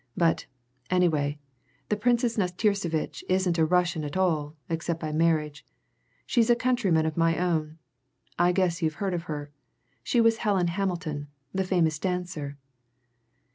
But, anyway, the Princess Nastirsevitch isn't a Russian at all, except by marriage she's a countryman of my own. I guess you've heard of her she was Helen Hamilton, the famous dancer."